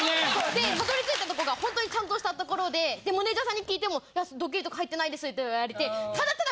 でたどり着いたとこが本当にちゃんとしたところでマネジャーさんに聞いてもドッキリとか入ってないですと言われてただただ。